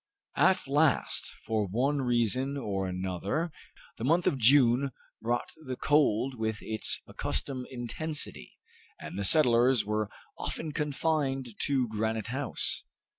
At last, for one reason or another, the month of June brought the cold with its accustomed intensity, and the settlers were often confined to Granite House.